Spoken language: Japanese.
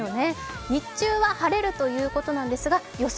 日中は晴れるということなんですが予想